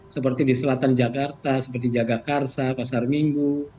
seperti di selatan jakarta seperti jagakarsa pasar minggu